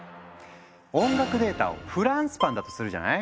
音楽データをフランスパンだとするじゃない？